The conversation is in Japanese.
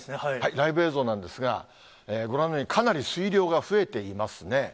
ライブ映像なんですが、ご覧のように、かなり水量が増えていますね。